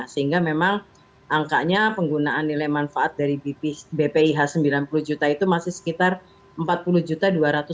sehingga memang angkanya penggunaan nilai manfaat dari bpih sembilan puluh juta itu masih sekitar empat puluh juta